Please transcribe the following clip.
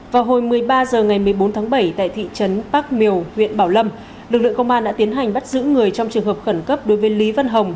vào hồi một mươi ba h ngày một mươi bốn tháng bảy tại thị trấn bác miều huyện bảo lâm lực lượng công an đã tiến hành bắt giữ người trong trường hợp khẩn cấp đối với lý vân hồng